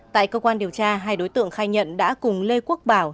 tại cơ quan điều tra hai đối tượng khai nhận đã cùng lê quốc bảo